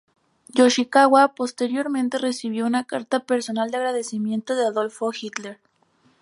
Yoshikawa posteriormente recibió una carta personal de agradecimiento de Adolf Hitler.